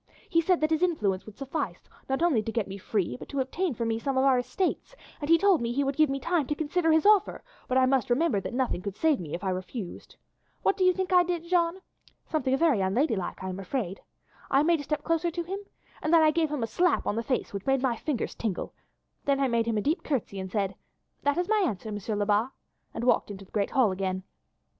He said that his influence would suffice, not only to get me free, but to obtain for me some of our estates, and he told me he would give me time to consider his offer, but that I must remember that nothing could save me if I refused. What do you think I did, Jeanne? Something very unladylike, I am afraid. I made a step closer to him, and then I gave him a slap on the face which made my fingers tingle, then I made him a deep curtsy and said, 'That is my answer, Monsieur Lebat,' and walked into the great hall again.